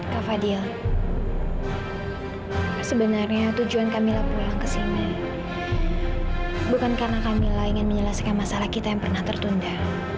kak fadil sebenarnya tujuan kamilah pulang ke sini bukan karena kamilah ingin menyelesaikan masalah kita yang pernah tertunda